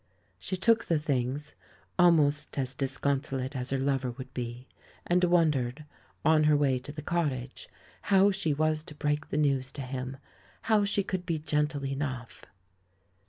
She took the things, almost as disconsolate as her lover would be, and wondered, on her way to the cottage, how she was to break the news to him, how she could be gentle enough.